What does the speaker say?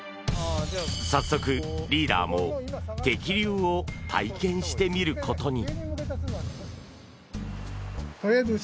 早速、リーダーも摘粒を体験してみることに。